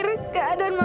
mau apa aja susah